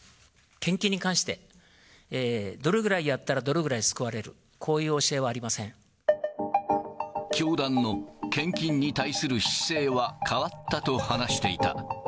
献金に関して、どれぐらいやったらどれくらい救われる、こういう教団の献金に対する姿勢は変わったと話していた。